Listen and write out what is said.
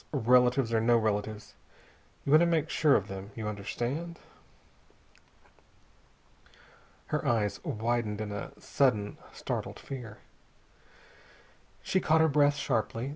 Relatives or no relatives, you want to make sure of them. You understand?" Her eyes widened in a sudden startled fear. She caught her breath sharply.